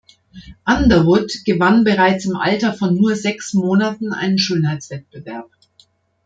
Underwood gewann bereits im Alter von nur sechs Monaten einen Schönheitswettbewerb.